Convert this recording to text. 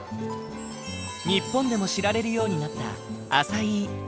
日本でも知られるようになったアサイー。